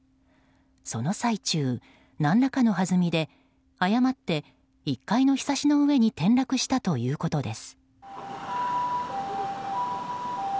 その最中、何らかのはずみで誤って１階の、ひさしの上に転落したということです。